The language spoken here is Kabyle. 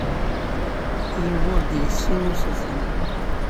Yuba ur d-yessi usuten.